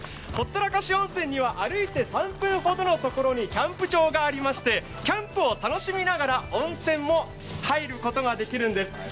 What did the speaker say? ほったらかし温泉には歩いて３分ほどのところにキャンプ場がありましてキャンプを楽しみながら温泉も入ることができるんです。